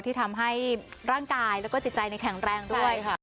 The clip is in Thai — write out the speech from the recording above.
ที่ทำให้ร่างกายแล้วก็จิตใจในแข็งแรงด้วยค่ะ